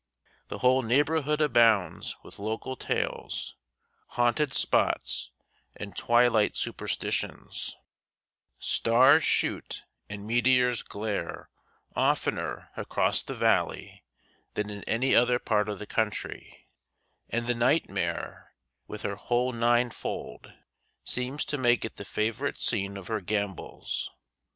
The whole neighborhood abounds with local tales, haunted spots, and twilight superstitions; stars shoot and meteors glare oftener across the valley than in any other part of the country, and the nightmare, with her whole ninefold, seems to make it the favorite scene of her gambols.